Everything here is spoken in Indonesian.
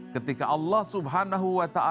ketika allah swt